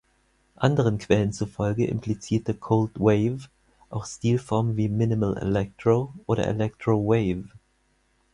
Anderen Quellen zufolge implizierte Cold Wave auch Stilformen wie Minimal Electro oder Electro Wave.